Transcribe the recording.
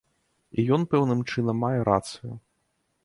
І ён пэўным чынам мае рацыю.